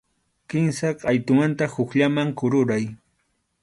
Kimsa qʼaytumanta hukllaman kururay.